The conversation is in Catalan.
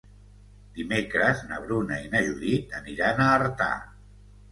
Dimecres na Bruna i na Judit aniran a Artà.